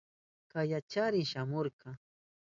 Kayachari shamunka.